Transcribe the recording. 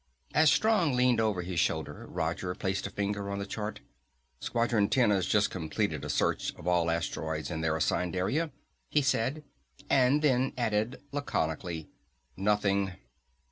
As Strong leaned over his shoulder, Roger placed a finger on the chart. "Squadron Ten has just completed a search of all asteroids in their assigned area," he said, then added laconically, "Nothing."